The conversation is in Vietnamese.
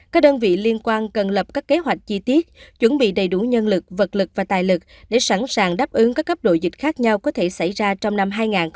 các đơn vị liên quan cần lập các kế hoạch chi tiết chuẩn bị đầy đủ nhân lực vật lực và tài lực để sẵn sàng đáp ứng các cấp độ dịch khác nhau có thể xảy ra trong năm hai nghìn hai mươi bốn